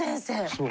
そう。